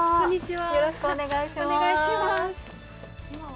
よろしくお願いします。